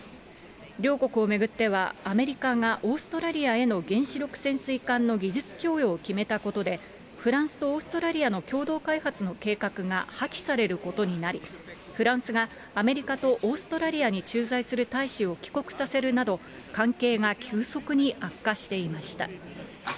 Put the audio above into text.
両国を巡っては、アメリカがオーストラリアへの原子力潜水艦の技術供与を決めたことで、フランスとオーストラリアの共同開発の計画が破棄されることになり、フランスが、アメリカとオーストラリアに駐在する大使を帰国させるなど、関係が急速に悪化していました。